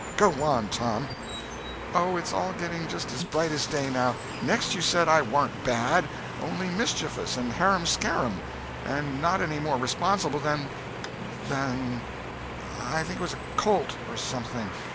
Go on, Tom!" "Oh, it's all getting just as bright as day, now. Next you said I warn't bad, only mischeevous and harum scarum, and not any more responsible than—than—I think it was a colt, or something."